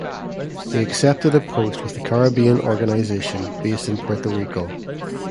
He accepted a post with the Caribbean Organisation, based in Puerto Rico.